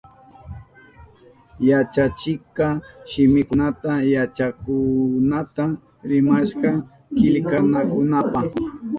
Yachachikka shimikunata yachakukkunata rimashka killkanankunapa.